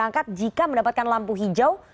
angkat jika mendapatkan lampu hijau